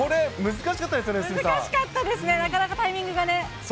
難しかったですね、なかなかタイミングがね。